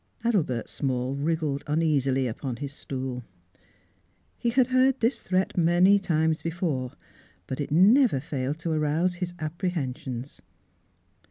Adelbert Small wriggled uneasily upon his stool. He had heard this threat many times before : but it never failed to arouse his apprehensions.